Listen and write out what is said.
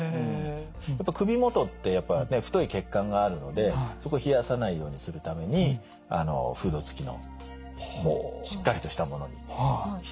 やっぱ首元って太い血管があるのでそこ冷やさないようにするためにフード付きのもうしっかりとしたものにして。